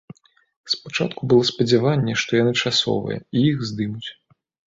Спачатку было спадзяванне, што яны часовыя, і іх здымуць.